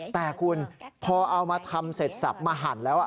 แต่คุณพอเอามาทำเสร็จสับมาหั่นแล้ว